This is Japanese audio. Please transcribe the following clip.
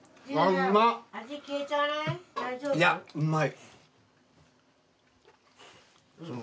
いやうまい。